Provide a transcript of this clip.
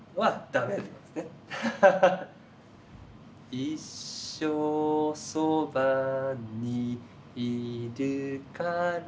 「一生そばにいるから」